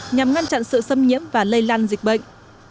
nhằm ngăn chặn sự xâm nhiễm và lây lan dịch bệnh